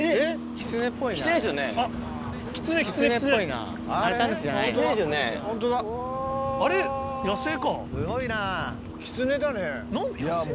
キツネだね。